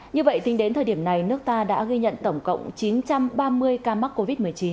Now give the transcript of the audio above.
như vậy tính đến thời điểm này nước ta đã ghi nhận tổng cộng chín trăm ba mươi ca mắc covid một mươi chín